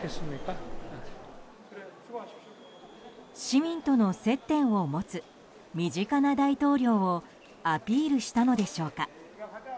市民との接点を持つ身近な大統領をアピールしたのでしょうか。